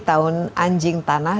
tahun anjing tanah